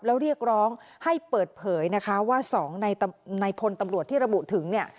แล้วเรียกร้องให้เปิดเผยนะคะว่า๒ในพลตำรวจที่ระบุถึงเนี่ย